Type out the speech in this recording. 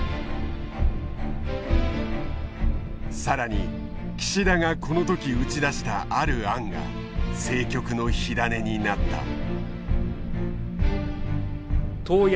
更に岸田がこの時打ち出したある案が政局の火種になった。